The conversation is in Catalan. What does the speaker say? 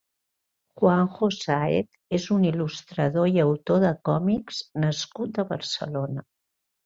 Juanjo Sáez és un il·lustrador i autor de còmics nascut a Barcelona.